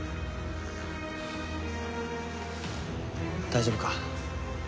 大丈夫か？